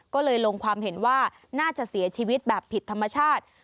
ก็เลยลงความเห็นว่าน่าจะเสียชีวิตแบบผิดธรรมชาติ